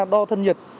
đo thân nhiệt